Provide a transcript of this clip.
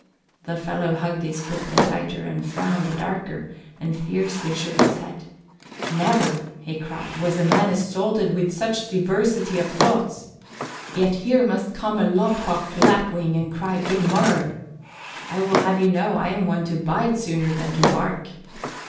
The fellow hugged his book the tighter and frowned the darker and fiercely shook his head. "Never," he cried, "was a man assaulted with such diversity of thoughts! Yet here must come a lobcock lapwing and cry 'Good morrow!' I will have you know I am one to bite sooner than to bark."